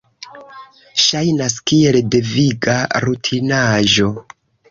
Ŝajnas kiel deviga rutinaĵo.